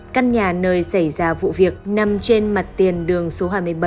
căn nhà nơi xảy ra vụ việc nằm trên mặt tiền đường số hai mươi bảy